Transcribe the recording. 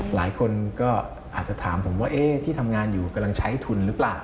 หลายคนก็อาจจะถามผมว่าที่ทำงานอยู่กำลังใช้ทุนหรือเปล่า